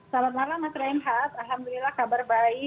selamat malam mak raihan haas alhamdulillah kabar baik